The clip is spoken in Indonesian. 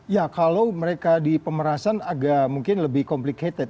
ya kalau mereka di pemerasan agak mungkin lebih complicated